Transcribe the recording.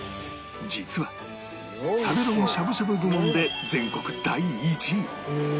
実は食べログしゃぶしゃぶ部門で全国第１位